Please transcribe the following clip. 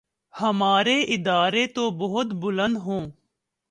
ہمارے ارادے تو بہت بلند ہوں۔